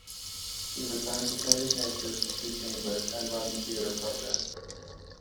He returned to Saint Ignatius to teach English and run the theatre program.